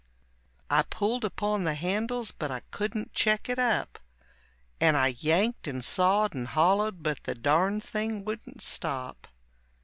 I pulled upon the handles, but I couldn't check it up, And I yanked and sawed and hollowed but the darned thing wouldn't stop.